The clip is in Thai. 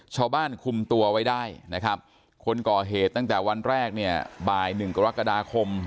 ควบคุมตัวไว้ได้นะครับคนก่อเหตุตั้งแต่วันแรกเนี่ยบ่ายหนึ่งกรกฎาคม